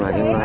nói chung là